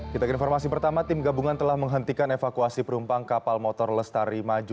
kita ke informasi pertama tim gabungan telah menghentikan evakuasi perumpang kapal motor lestari maju